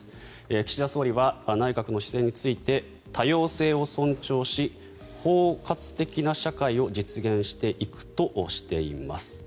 岸田総理は内閣の姿勢について多様性を尊重し包括的な社会を実現していくとしています。